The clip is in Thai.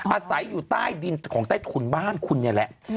อาศัยอยู่ใต้ดินของใต้ถุนบ้านคุณนี่แหละ